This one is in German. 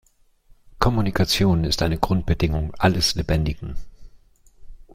Kommunikation ist eine Grundbedingung alles Lebendigen.